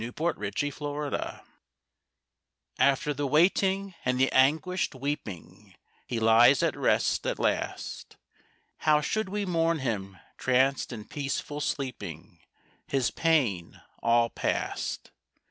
The Dead Leader After the waiting and the anguished weeping He lies at rest at last. How should we mourn him tranced in peaceful sleeping, His pain all past!